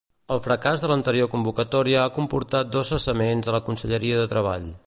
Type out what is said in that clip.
El fracàs de l'anterior convocatòria ha comportat dos cessaments a la conselleria de Treball.